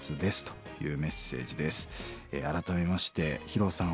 改めましてヒロさん